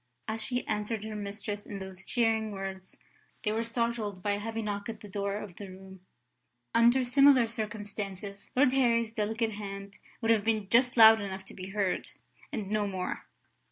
As she answered her mistress in those cheering words, they were startled by a heavy knock at the door of the room. Under similar circumstances, Lord Harry's delicate hand would have been just loud enough to be heard, and no more.